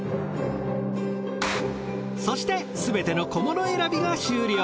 そしてすべての小物選びが終了。